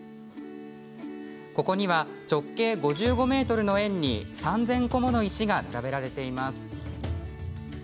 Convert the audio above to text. ここには、直径５５ｍの円に３０００個もの石が並べられています。